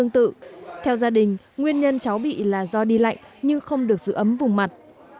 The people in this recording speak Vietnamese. theo gia đình nguyên nhân cháu bị là do đi lạnh nhưng không được giữ ấm vùng mặt